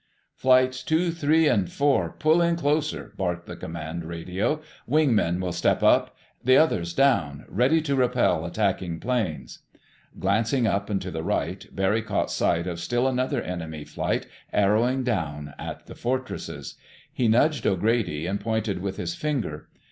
"Flights two, three and four, pull in closer!" barked the command radio. "Wing men will step up—the others down—ready to repel attacking planes." Glancing up and to the right, Barry caught sight of still another enemy flight arrowing down at the Fortresses. He nudged O'Grady and pointed with his finger.